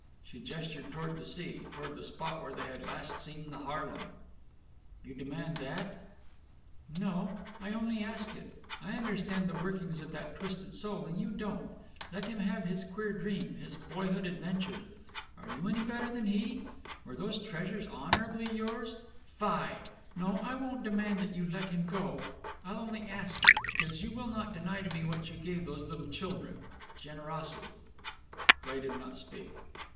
She gestured toward the sea, toward the spot where they had last seen the Haarlem. "You demand that?" "No, I only ask it. I understand the workings of that twisted soul, and you don't. Let him have his queer dream his boyhood adventure. Are you any better than he? Were those treasures honourably yours? Fie! No, I won't demand that you let him go; I'll only ask it. Because you will not deny to me what you gave to those little children generosity." Cleigh did not speak.